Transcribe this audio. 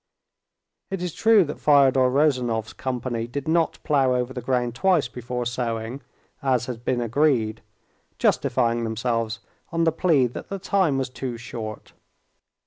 It is true that Fyodor Ryezunov's company did not plough over the ground twice before sowing, as had been agreed, justifying themselves on the plea that the time was too short.